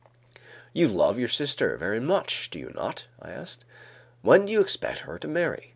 "You love your sister very much, do you not?" I asked. "When do you expect her to marry?"